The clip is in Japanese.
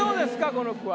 この句は。